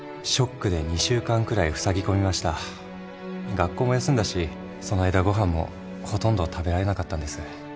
学校も休んだしその間ご飯もほとんど食べられなかったんです。